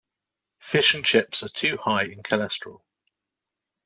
Fish and chips are too high in cholesterol.